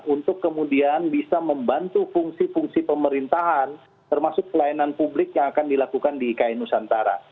untuk kemudian bisa membantu fungsi fungsi pemerintahan termasuk pelayanan publik yang akan dilakukan di ikn nusantara